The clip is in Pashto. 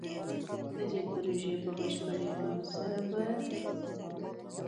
د دې پروژې په بشپړېدو سره به د سيمې